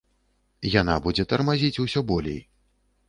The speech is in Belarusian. Яна будзе тармазіць усё болей.